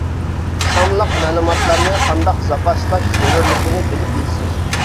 سانلىق مەلۇماتلارنى قانداق زاپاسلاش زۆرۈرلۈكىنى بىلىپ يېتىسىز.